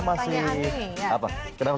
kembali lagi bersama kami di good morning